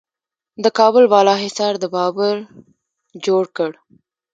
د کابل بالا حصار د بابر جوړ کړ